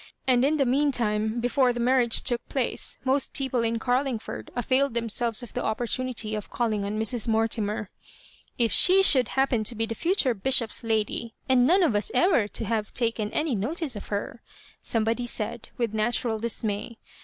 And in the meantime, before the marriage took place, most people in Carlingford avaQ^ themselves of the opportu nity of calling on Mrs. Mortimer. "If she should happen to be the future bishop's lady,, and none of us ever to have taken any notice of her," somebody said, with natural dismay.